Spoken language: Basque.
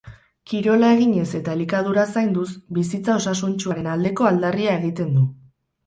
Kirol eginez eta elikadura zainduz, bizitza osasuntsuaren aldeko aldarria egiten du.